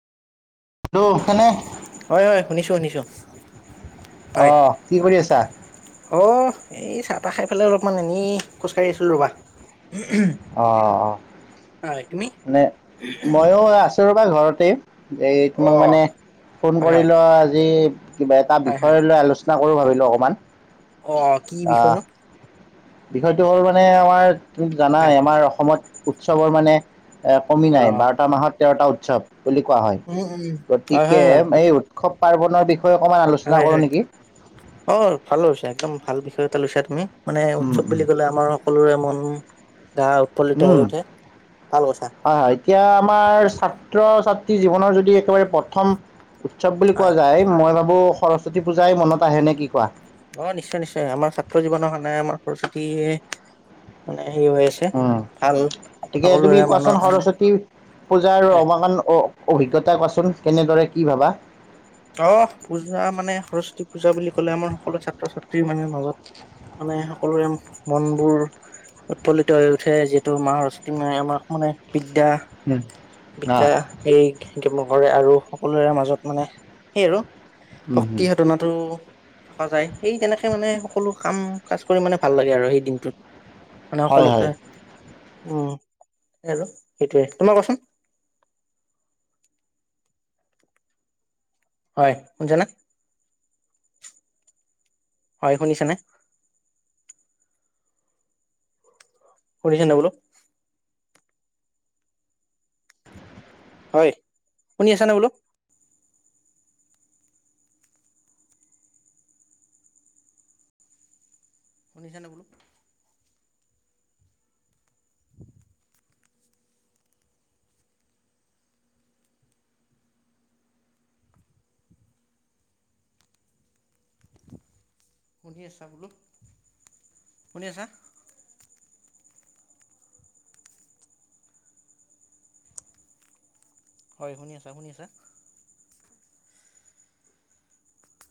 Hello মানে হয় হয় শুনিছো শুনিছো হয়। অহ কি কৰি আছা অ' এই চাহ তাহ খাই পেলাই অলপমান এনেই খোজ কঢ়ি আছো ৰবা অঁ অঁ হয় তুমি? মানে ময়ো আছোঁ ৰ'বা ঘৰতেই যে তোমাক অ' মানে ফোন হয় কৰি হয় লোৱা আজি কিবা এটা হয় হয় বিষয় লৈ আলোচনা ভাবিলো অকণমান অ কি বিষয় নো বিষয়টো হ'ল মানে আমাৰ তুমি জানাই হয় আমাৰ অসমত উৎসৱৰ মানে এ কমি নাই অ'। বাৰটা মাহত তেৰটা উৎসৱ বুলি কোৱা হয় উম উম হয় গতিকে হয় হয় এই উৎসৱ পাৰ্বনৰৰ বিষয়ে অকণমান আলোচনা হয় কৰোঁ হয় নেকি? অ ভালো আ হৈছে একদম ভাল বিষয় এটা লৈছা তুমি মানে উম উৎসৱ উম বুলি কলে আমাৰ সকলোৰে মন গা উৎফুল্লিত হৈ উম উঠে ভাল কৈছা হয় হয় এতিয়া আমাৰ ছাত্ৰ ছাত্ৰী জীৱনৰ যদি একেবাৰে প্ৰথম উৎসৱ বুলি কোৱা হয়। যায় মই ভাবো সৰস্বতী পূজাই মনত আহেনে কি কোৱা অ নিশ্চয় নিশ্চয় আমাৰ ছাত্ৰ জীৱনৰ আমাৰ সৰস্বতীয়ে মানে হেৰি হৈ আছে উম ভাল সকলোৰে মনৰ কাৰণে পূজা আৰু হয়। অৱাসন অ অভিজ্ঞতা কোৱাচোন কেনেদৰে কি ভাবা অ পূজা মানে সৰস্বতী পূজা বুলি ক'লে আমাৰ সকলো ছাত্ৰ ছাত্ৰী মানে মাজত মানে সকলোৰে মন বোৰ উৎফুল্লিত হৈ উঠে যিহেতু মা সৰস্বতী আমাক মানে বিদ্যা অ বিদ্যা এইোৰ কৰে আৰু সকলোৰে মাজত মানে [unintelligible] সেই আৰু ভক্তি হটনাটো থকা যায় সেই তেনেকে মানে সকলো কাম কাজ কৰি মানে ভাল লাগে আৰু সেই দিনটোত মানে হয় হয় সকলোকে উম আৰু সেইটোয়ে তোমাৰ কোৱাচোন হয় শুনছান [unintelligible] হয় শুনিছেনে কৰিছে ন বোলো [unintelligible] হয় শুনি আছ নে বোলো শুনিছ নে বোলো শুনি আছা বোলো শুনি আছা হয় শুনি আছা শুনি আছা